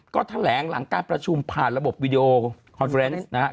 ก็แถลงหลังการประชุมผ่านระบบวิดีโอคอนเฟอร์เนสนะครับ